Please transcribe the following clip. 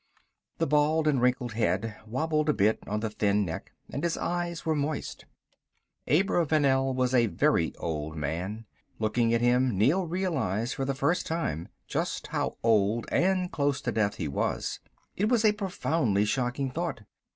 The bald and wrinkled head wobbled a bit on the thin neck, and his eyes were moist. Abravanel was a very old man. Looking at him, Neel realized for the first time just how old and close to death he was. It was a profoundly shocking thought.